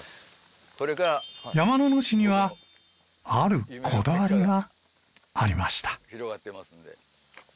山の主にはあるこだわりがありました。